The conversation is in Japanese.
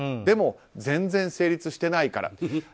でも全然成立してないから。